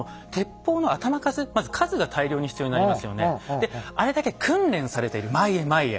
であれだけ訓練されている前へ前へ。